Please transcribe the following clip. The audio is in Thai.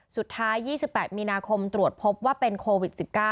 สุดท้าย๒๘มีนาคมตรวจพบว่าเป็นโควิด๑๙